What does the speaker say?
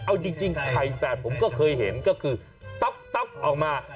เอาจริงไข่แฝดผมก็เคยเห็นก็คือต๊อกออกมา